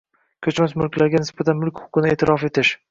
Koʼchmas mulklarga nisbatan mulk huquqini eʼtirof etish